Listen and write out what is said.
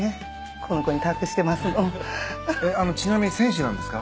えっあのちなみに選手なんですか？